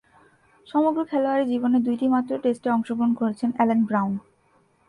সমগ্র খেলোয়াড়ী জীবনে দুইটিমাত্র টেস্টে অংশগ্রহণ করেছেন অ্যালেন ব্রাউন।